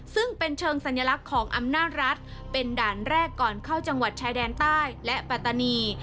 ซึ่งเป็นเชิงสัญลักษณ์ของอำนาจรัฐเป็นด่านแรกก่อนเข้าจังหวัดชายแดนใต้และปัตตานี